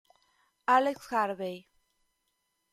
Alex Harvey